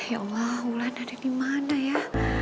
ya allah ulan ada dimana ya